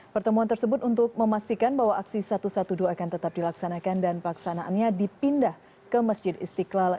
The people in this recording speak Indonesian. pertemuan tersebut untuk memastikan bahwa aksi satu ratus dua belas akan tetap dilaksanakan dan pelaksanaannya dipindah ke masjid istiqlal